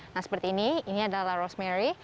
nah seperti ini ini adalah rosemary